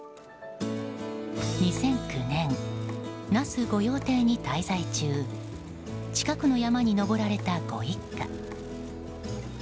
２００９年那須御用邸に滞在中近くの山に登られたご一家。